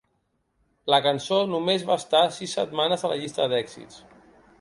La cançó només va estar sis setmanes a la llista d'èxits.